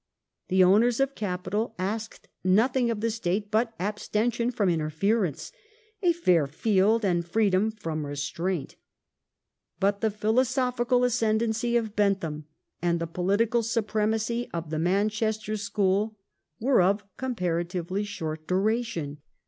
The owners of capital asked nothing of the State but abstention from interference — a fair field and freedom from restraint. But the philosophical ascendancy of Bentham, and the political supremacy of the " Manchester School " were of comparatively short duration.